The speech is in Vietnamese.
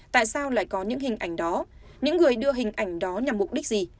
tại sao lại có những hình ảnh đó những người đưa hình ảnh đó nhằm mục đích gì